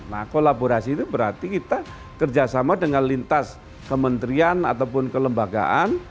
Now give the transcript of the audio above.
nah kolaborasi itu berarti kita kerjasama dengan lintas kementerian ataupun kelembagaan